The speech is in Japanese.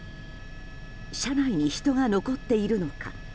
車内に人が残っているのか。